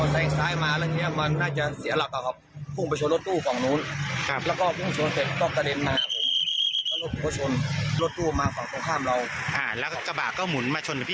ตำรวจสอบพอมูล